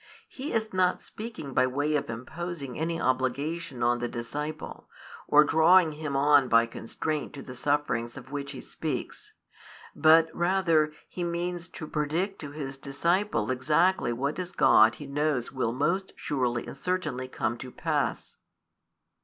He is not speaking by way of imposing any obligation on the disciple, or drawing him on by constraint to the sufferings of which He speaks; but rather He means to predict to His disciple exactly what as God He knows will most surely and certainly come to pass.